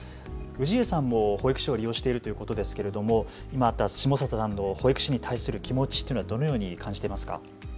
氏家さんも保育所を利用しているということですけれども下里さんの保育士に対する気持ちというのはどのように感じていますか。